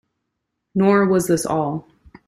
Nor was this all.